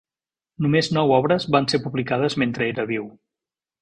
Només nou obres van ser publicades mentre era viu.